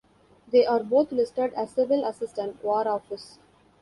They are both listed as Civil Assistant, War Office.